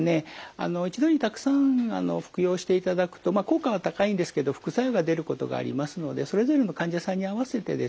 あの一度にたくさん服用していただくと効果は高いんですけど副作用が出ることがありますのでそれぞれの患者さんに合わせてですね